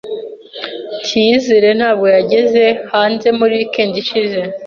Cyiyizire ntabwo yagiye hanze muri weekend ishize.